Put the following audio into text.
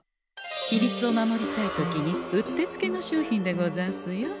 秘密を守りたい時にうってつけの商品でござんすよ。